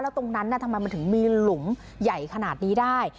ตรงนั้นทำไมมันถึงมีหลุมใหญ่ขนาดนี้ได้